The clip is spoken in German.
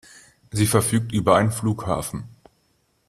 Sie verfügt über einen Flughafen.